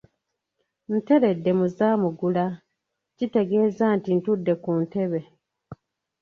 Nteredde mu za Mugula; kitegeeza nti ntudde ku ntebe.